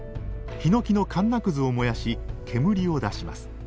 ひのきのかんなくずを燃やし煙を出します。